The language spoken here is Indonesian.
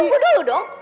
tunggu dulu dong